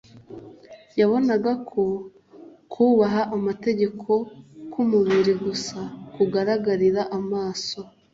Yabonaga ko kubaha amategeko ku mubiri gusa kugaragarira amaso